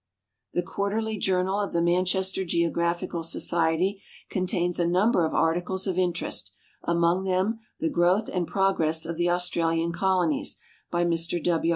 The Quarterly Journal of the Manchester Geographical Society contains a number of articles of interest, among them '^The Growth and Progress of the Australian Colonies," by Mr W.